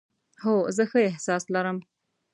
هو، زه ښه احساس لرم